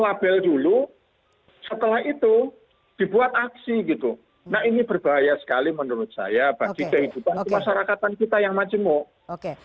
nah ini berbahaya sekali menurut saya bagi kehidupan masyarakat kita yang macemuk